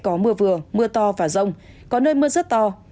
có mưa vừa mưa to và rông có nơi mưa rất to